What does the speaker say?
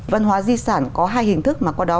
văn hóa di sản có hai hình thức mà qua đó